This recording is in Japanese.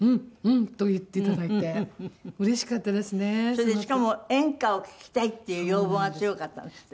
それでしかも演歌を聴きたいっていう要望が強かったんですって？